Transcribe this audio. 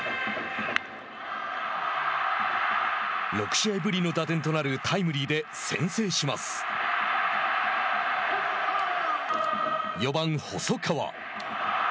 ６試合ぶりの打点となるタイムリーで４番細川。